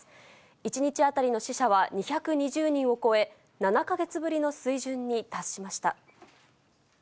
１日当たりの死者は２２０人を超え、７か月ぶりの水準に達しました。